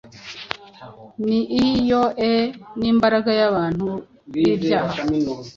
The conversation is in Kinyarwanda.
Nii yoe, nimbaga yabantu bibyaha